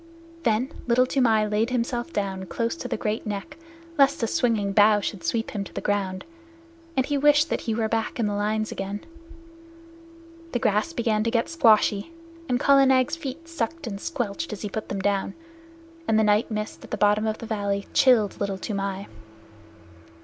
Then Little Toomai laid himself down close to the great neck lest a swinging bough should sweep him to the ground, and he wished that he were back in the lines again. The grass began to get squashy, and Kala Nag's feet sucked and squelched as he put them down, and the night mist at the bottom of the valley chilled Little Toomai.